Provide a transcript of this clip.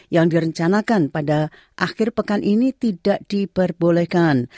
yang direncanakan pada akhir pekan ini tidak diperbolehkan